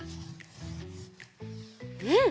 うん。